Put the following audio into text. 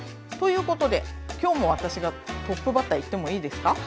ということで今日も私がトップバッターいってもいいですか？